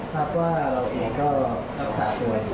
ครับว่าเราเองก็รักษาตัวใช่ไหมครับ